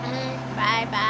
バイバイ！